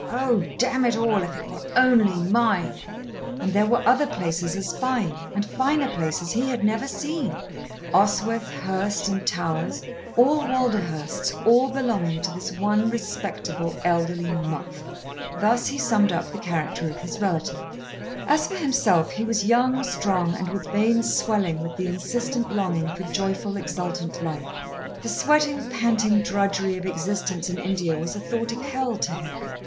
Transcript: "Oh! damn it all, if it were only mine!" And there were other places as fine, and finer places he had never seen, Oswyth, Hurst, and Towers, all Walderhurst's all belonging to this one respectable, elderly muff. Thus he summed up the character of his relative. As for himself he was young, strong, and with veins swelling with the insistent longing for joyful, exultant life. The sweating, panting drudgery of existence in India was a thought of hell to him.